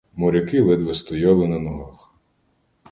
Моряки ледве стояли на ногах.